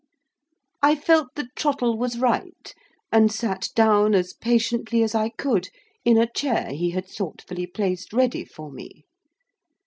I felt that Trottle was right, and sat down as patiently as I could in a chair he had thoughtfully placed ready for me.